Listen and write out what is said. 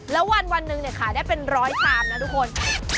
แล้ววันนึงอยู่ขายได้เป็น๑๐๐ชามนะทุกคน